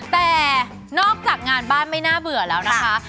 แต่นอกจากงานบ้านไม่น่าเบื่อแล้วนะคะ